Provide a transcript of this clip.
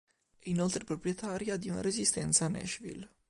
È inoltre proprietaria di una resistenza a Nashville.